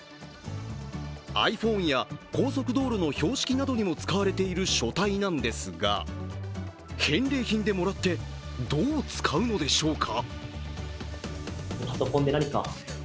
ｉＰｈｏｎｅや高速道路の標識などにも使われている書体なんですが返礼品でもらってどう使うのでしょうか？